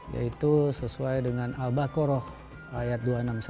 yaitu sesuai dengan al baqarah ayat dua ratus enam puluh satu